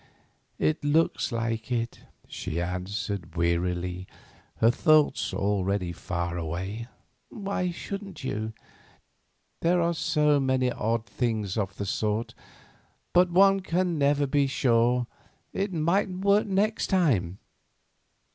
"It looks like it," she answered, wearily, her thoughts already far away. "Why shouldn't you? There are so many odd things of the sort. But one can never be sure; it mightn't work next time."